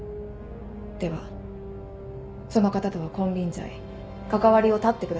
ではその方とは金輪際関わりを断ってください。